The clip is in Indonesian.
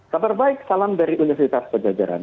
kabar baik salam dari universitas pejajaran